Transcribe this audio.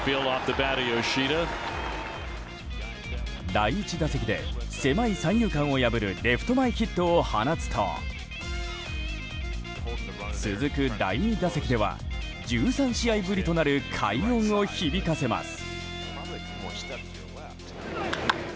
第１打席で狭い三遊間を破るレフト前ヒットを放つと続く第２打席では１３試合ぶりとなる快音を響かせます。